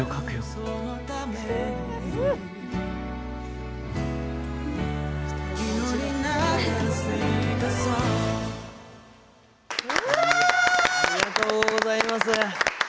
ありがとうございます。